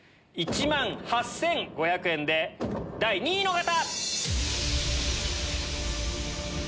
１万８５００円で第２位の方！